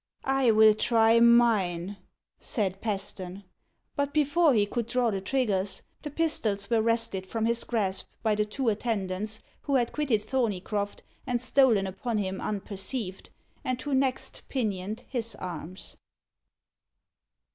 "I will try mine," said Paston. But before he could draw the triggers, the pistols were wrested from his grasp by the two attendants, who had quitted Thorneycroft, and stolen upon him unperceived, and who next pinioned his arms.